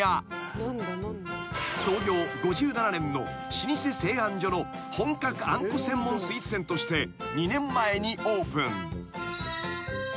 ［創業５７年の老舗製あん所の本格あんこ専門スイーツ店として２年前にオープン］